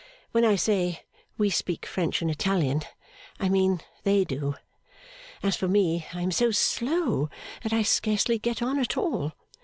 When I say we speak French and Italian, I mean they do. As for me, I am so slow that I scarcely get on at all.